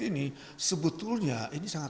ini sebetulnya ini sangat